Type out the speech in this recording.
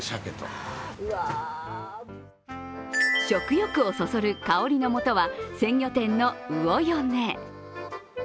食欲をそそる香りのもとは鮮魚店の魚米。